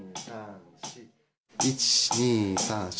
１２３４。